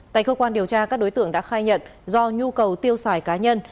tại cơ quan điều tra các đối tượng đã khai nhận do nhu cầu tiêu xài cá nhân